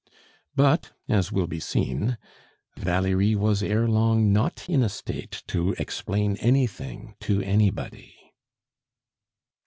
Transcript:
But, as will be seen, Valerie was ere long not in a state to explain anything to anybody.